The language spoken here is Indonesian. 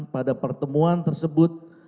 pada pertemuan tersebut